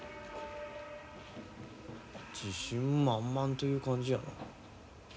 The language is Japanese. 自信満々という感じやな。